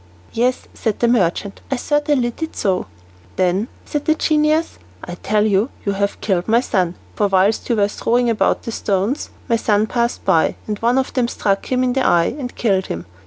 "Yes," said the merchant, "I certainly did so." "Then," said the genius, "I tell you you have killed my son, for whilst you were throwing about the stones, my son passed by, and one of them struck him in the eye and killed him.